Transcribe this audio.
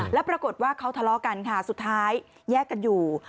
แล้วปรากฏว่าเขาทะเลาะกันค่ะสุดท้ายแยกกันอยู่